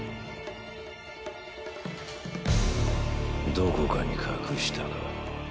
どこかに隠したか。